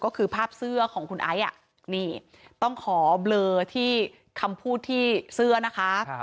ก็คือภาพเสื้อของคุณไอซ์นี่ต้องขอเบลอที่คำพูดที่เสื้อนะคะ